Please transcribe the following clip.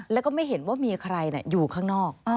แล้วก็ไม่เห็นว่ามีใครอยู่ข้างนอก